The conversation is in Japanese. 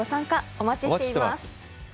お待ちしています。